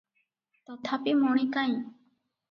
ତଥାପି ମଣି କାଇଁ?